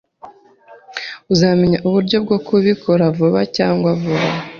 Uzamenya uburyo bwo kubikora vuba cyangwa vuba.